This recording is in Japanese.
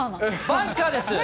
バンカーです。